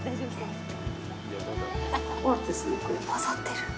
混ざってる。